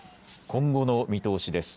今後の見通しです。